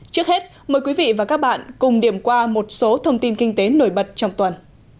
trước hết mời quý vị và các bạn cùng điểm qua một số thông tin kinh tế nổi bật trong tuần